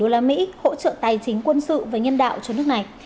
hỗ trợ tài chính quân sự và nhân đạo cho nước này